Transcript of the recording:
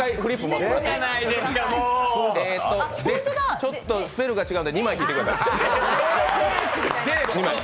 ちょっとスペルが違うんで２枚引いてください。